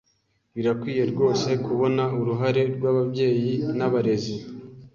Birakwiye rwose kubona uruhare rw’ababyeyi nabarezi